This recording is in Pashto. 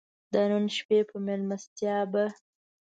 د نن شپې په مېلمستیا به.